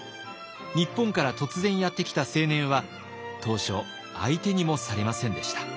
日本から突然やって来た青年は当初相手にもされませんでした。